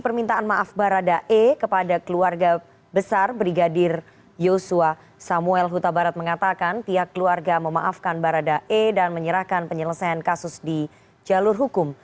berita terkini mengenai penyelesaian kasus di jalur hukum